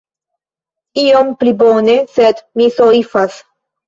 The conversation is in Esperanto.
Iom pli bone, sed mi soifas.